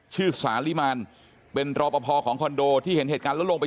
สาลิมานเป็นรอปภของคอนโดที่เห็นเหตุการณ์แล้วลงไป